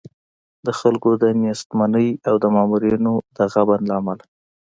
د خلکو د نېستمنۍ او د مامورینو د غبن له امله.